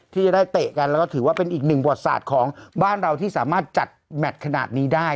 ที่จะได้เตะกันแล้วก็ถือว่าเป็นอีกหนึ่งบทศาสตร์ของบ้านเราที่สามารถจัดแมทขนาดนี้ได้